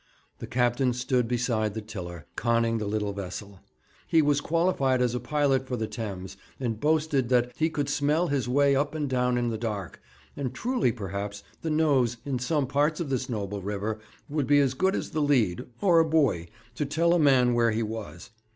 The captain stood beside the tiller, conning the little vessel. He was qualified as a pilot for the Thames, and boasted that he could smell his way up and down in the dark and truly perhaps the nose, in some parts of this noble river, would be as good as the lead, or a buoy, to tell a man where he was.